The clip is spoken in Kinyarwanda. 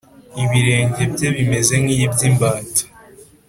ibirenge bye bimeze nk’ iby’ imbata